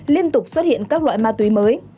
liên tục xuất hiện các loại ma túy mới